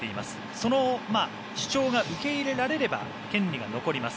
その主張が受け入れられれば権利が残ります。